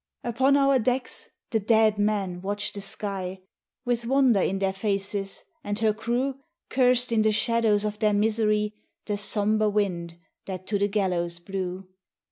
Upon our decks the dead men watched the sky With wonder in their faces, and her crew Cursed in the shadows of their misery The sombre wind that to the gallows blew.